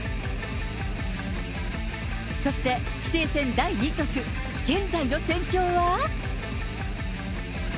そして、棋聖戦第２局、現在の戦況は？